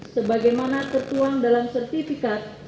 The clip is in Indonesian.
sebagaimana tertuang dalam sertifikat